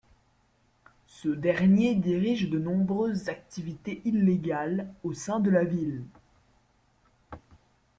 Ce dernier dirige de nombreuses activités illégales au sein de la ville.